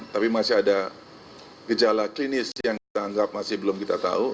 tapi masih ada gejala klinis yang kita anggap masih belum kita tahu